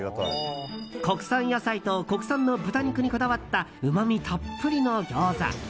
国産野菜と国産の豚肉にこだわったうまみたっぷりの餃子。